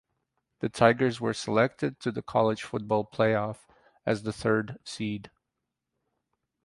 The Tigers were selected to the College Football Playoff as the third seed.